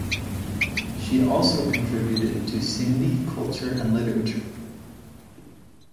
She also contributed to Sindhi culture and literature.